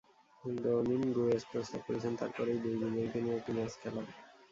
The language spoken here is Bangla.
ডমিনগুয়েজ প্রস্তাব করেছেন, তার পরেই দুই বিজয়ীকে নিয়ে একটি ম্যাচ খেলার।